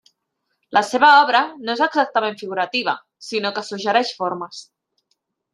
La seva obra no és exactament figurativa, sinó que suggereix formes.